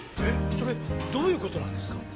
それどういう事なんですか？